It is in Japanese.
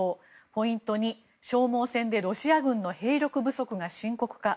ポイント２、消耗戦でロシア軍の兵力不足が深刻化。